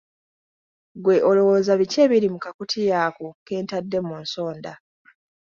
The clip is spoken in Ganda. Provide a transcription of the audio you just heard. Ggwe olowooza biki ebiri mu kakutiya ako ke ntadde mu nsonda?